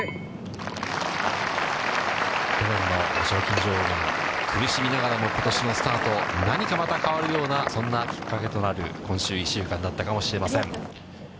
去年の賞金女王、苦しみながらもことしのスタート、何かまた変わるような、そんなきっかけとなる今週１週間だったかもしれません。